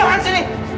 apaan sih ini